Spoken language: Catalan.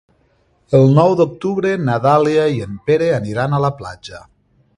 El nou d'octubre na Dàlia i en Pere aniran a la platja.